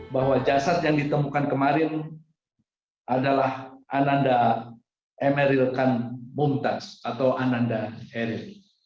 bahwa jasad yang ditemukan kemarin adalah ananda emeril kan mumtaz atau ananda eril